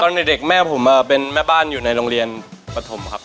เด็กแม่ผมเป็นแม่บ้านอยู่ในโรงเรียนปฐมครับ